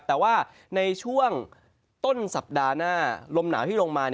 แต่ว่าในช่วงต้นสัปดาห์หน้าลมหนาวที่ลงมา